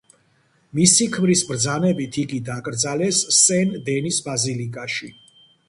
მისი ქმრის ბრძანებით იგი დაკრძალეს სენ დენის ბაზილიკაში.